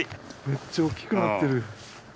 めっちゃおっきくなってる。